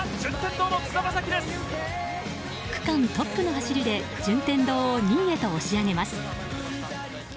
区間トップの走りで順天堂を２位へと押し上げます。